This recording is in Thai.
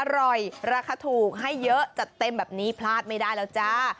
ราคาถูกให้เยอะจัดเต็มแบบนี้พลาดไม่ได้แล้วจ้า